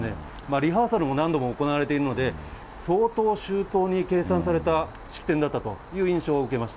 リハーサルも何度も行われているので、相当周到に計算された式典だったという印象を受けました。